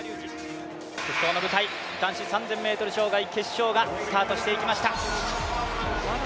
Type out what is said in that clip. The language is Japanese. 決勝の舞台男子３０００ｍ障害スタートしていきました。